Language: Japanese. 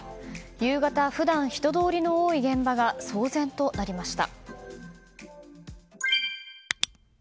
夕方、普段人通りの多い現場が騒然となりました。